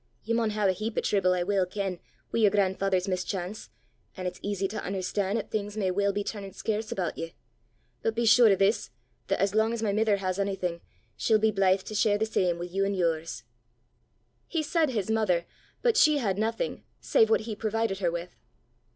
Ye maun hae a heap o' trible, I weel ken, wi' yer gran'father's mischance, an' it's easy to un'erstan' 'at things may well be turnin' scarce aboot ye; but be sure o' this, that as lang 's my mither has onything, she'll be blyth to share the same wi' you an' yours." He said his mother, but she had nothing save what he provided her with.